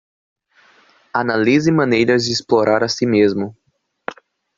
Analise maneiras de explorar a si mesmo